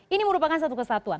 ini merupakan satu kesatuan